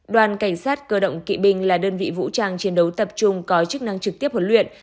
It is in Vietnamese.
đoàn cảnh sát cơ động kỵ binh là đơn vị vũ trang chiến đấu tập trung có chức năng trực tiếp huấn luyện